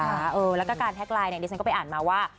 แล้วก็การแฮคไลน์ดิฉันก็ไปอ่านมาว่า